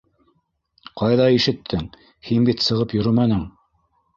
Ҡайҙа ишеттең? һин бит сығып йөрөмәнең!